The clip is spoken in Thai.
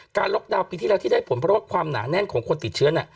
ล็อกดาวน์ปีที่แล้วที่ได้ผลเพราะว่าความหนาแน่นของคนติดเชื้อน่ะ